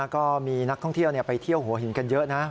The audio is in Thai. ก็มีนักท่องเที่ยวไปเที่ยวหัวหินกันเยอะนะ